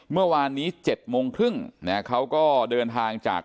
เมื่อวานนี้๗โมงครึ่งนะเขาก็เดินทางจาก